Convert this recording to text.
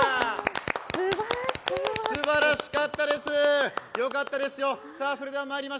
すばらしかったです、よかったですよ。